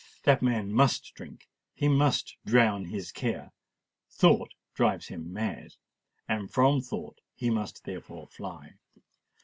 That man must drink—he must drown his care: thought drives him mad—and from thought he must therefore fly.